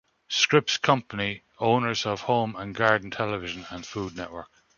Scripps Company, owners of Home and Garden Television and Food Network.